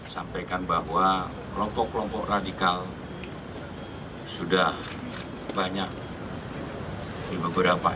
sampaikan bahwa kelompok kelompok radikal sudah banyak di beberapa